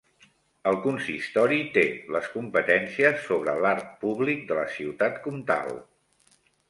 El Consistori té les competències sobre l'art públic de la Ciutat Comtal.